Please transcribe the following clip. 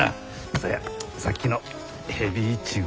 そうやさっきのヘビイチゴはと。